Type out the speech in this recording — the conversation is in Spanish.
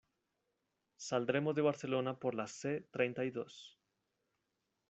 Saldremos de Barcelona por la C treinta y dos.